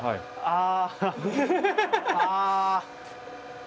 ああ。